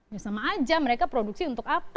ya sama aja mereka produksi untuk apa